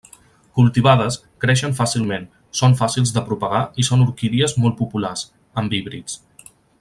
Cultivades, creixen fàcilment; són fàcils de propagar i són orquídies molt populars, amb híbrids.